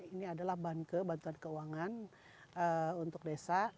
ini adalah bantuan keuangan untuk desa